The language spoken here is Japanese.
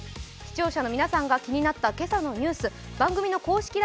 視聴者の皆さんが気になった今朝のニュース番組の公式